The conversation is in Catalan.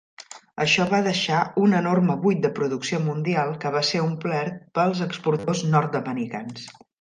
Això va deixar un enorme buit de producció mundial que va ser omplert pels exportadors nord-americans.